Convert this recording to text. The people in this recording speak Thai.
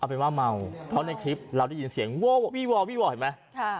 เป็นว่าเมาเพราะในคลิปเราได้ยินเสียงวี่ววี่วเห็นไหม